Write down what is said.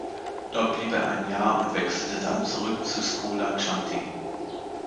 Dort blieb er ein Jahr und wechselte dann zurück zu Skoda Xanthi.